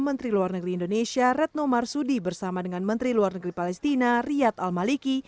menteri luar negeri indonesia retno marsudi bersama dengan menteri luar negeri palestina riyad al maliki